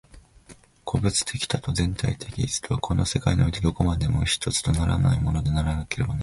個物的多と全体的一とは、この世界においてどこまでも一とならないものでなければならない。